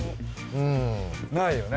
うん。ないよね。